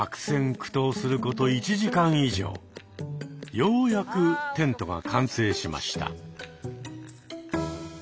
ようやくテントが完成しました。